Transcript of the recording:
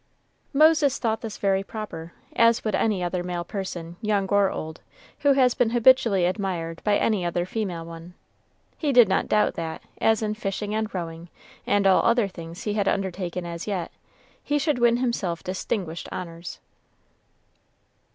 Moses thought this very proper, as would any other male person, young or old, who has been habitually admired by any other female one. He did not doubt that, as in fishing and rowing, and all other things he had undertaken as yet, he should win himself distinguished honors.